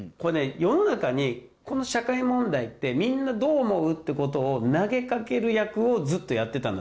世の中にこの社会問題ってみんなどう思う？って事を投げかける役をずっとやってたんだと思います。